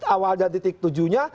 awal dan titik tujuhnya